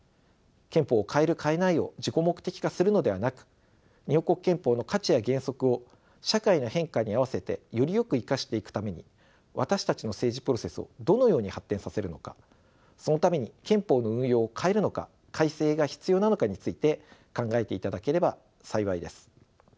憲法を変える変えないを自己目的化するのではなく日本国憲法の価値や原則を社会の変化に合わせてよりよく生かしていくために私たちの政治プロセスをどのように発展させるのかそのために憲法の運用を変えるのか改正が必要なのかについて考えていただければ幸いです。